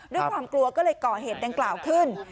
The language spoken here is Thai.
ด้วยความกลัวก็เลยก่อเหตุดังกล่าวขึ้น